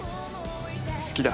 「好きだ」